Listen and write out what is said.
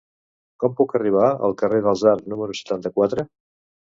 Com puc arribar al carrer dels Arcs número setanta-quatre?